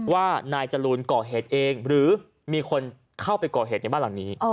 ว่านายจรูนก่อเหตุเองหรือมีคนเข้าไปก่อเหตุในบ้านหลังนี้